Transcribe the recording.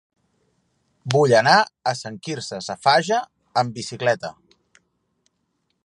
Vull anar a Sant Quirze Safaja amb bicicleta.